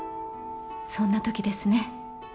そんな時ですね？